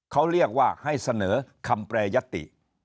เขาเรียกว่าให้เสนอคำแปรยติ